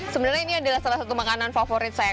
sebenarnya ini adalah salah satu makanan favorit saya